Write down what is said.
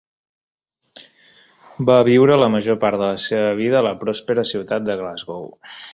Va viure la major part de la seva vida a la pròspera ciutat de Glasgow.